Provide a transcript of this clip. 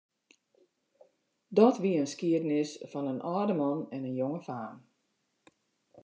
Dat wie in skiednis fan in âlde man en in jonge faam.